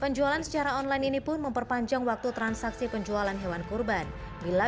penjualan secara online ini pun memperpanjang waktu transaksi penjualan hewan kurban bila